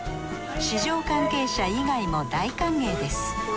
市場関係者以外も大歓迎です。